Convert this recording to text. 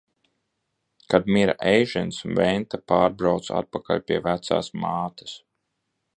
Kad mira Eižens, Venta pārbrauca atpakaļ pie vecās mātes.